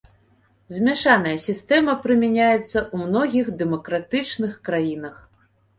Змяшаная сістэма прымяняецца ў многіх дэмакратычных краінах.